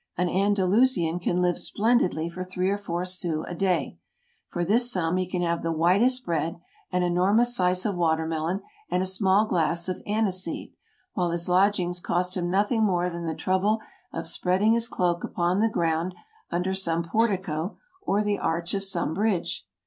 An Andalusian can live splendidly for three or four sous a day ; for this sum he can have the whitest bread, an enormous slice of watermelon, and a small glass of aniseed, while his lodgings cost him nothing more than the trouble of spreading his cloak upon the ground under some portico or the arch of some bridge.